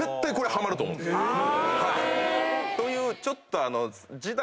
というちょっと。